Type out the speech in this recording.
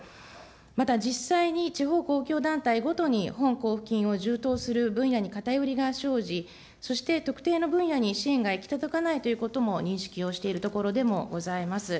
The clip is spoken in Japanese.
また、実際に地方公共団体ごとに本交付金を充当する分野に偏りが生じ、そして特定の分野に支援が行き届かないということも認識をしているところでもございます。